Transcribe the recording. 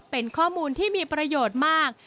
เป็นข้อมูลที่มีประโยชน์มาก